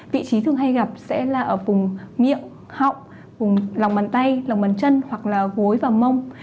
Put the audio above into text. vị trí thường hay gặp sẽ là ở vùng miệng họng vùng lòng bàn tay lòng bàn chân hoặc là gối và mông